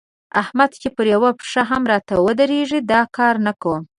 احمده! چې پر يوه پښه هم راته ودرېږي؛ دا کار نه کوم.